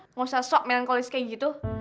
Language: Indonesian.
nggak usah sok melankolis kayak gitu